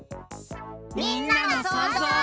みんなのそうぞう。